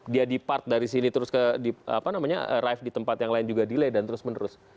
dia depart dari sini terus ke rive di tempat yang lain juga delay dan terus menerus